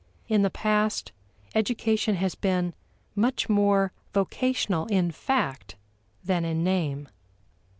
In the past, education has been much more vocational in fact than in name.